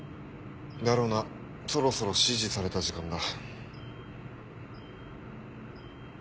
だろうなそろそろ指示された時間だ。